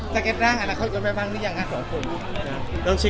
จังเก็ตร่างอนาคตกันไปบ้างหรือยังคุณผู้ชม